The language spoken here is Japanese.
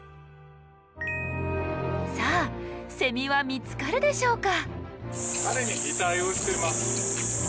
さあセミは見つかるでしょうか？